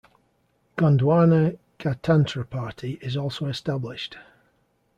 Gondwana Gadtantra Party is also established.